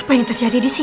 apa yang terjadi disini